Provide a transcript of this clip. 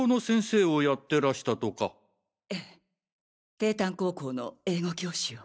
帝丹高校の英語教師を。